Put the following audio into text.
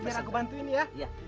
biar aku bantu ini ya